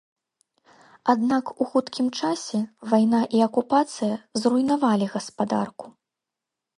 Аднак у хуткім часе вайна і акупацыя зруйнавалі гаспадарку.